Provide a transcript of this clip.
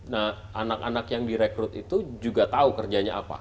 nah anak anak yang direkrut itu juga tahu kerjanya apa